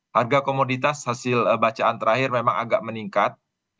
harga komoditas hasil bacaan terakhir memang agak meningkat